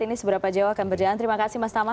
ini seberapa jauh akan berjalan terima kasih mas tama